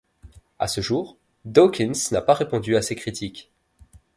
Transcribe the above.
À ce jour, Dawkins n'a pas répondu à ces critiques.